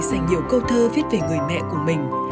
dành nhiều câu thơ viết về người mẹ của mình